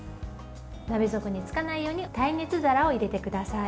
鍋底につかないように耐熱皿を入れてください。